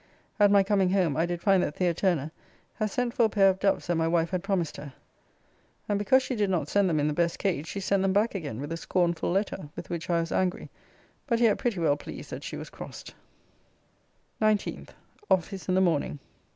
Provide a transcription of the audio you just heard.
At my coming home. I did find that The. Turner hath sent for a pair of doves that my wife had promised her; and because she did not send them in the best cage, she sent them back again with a scornful letter, with which I was angry, but yet pretty well pleased that she was crossed. 19th. Office in the morning.